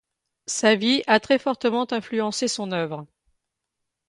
Sa vie a très fortement influencé son œuvre.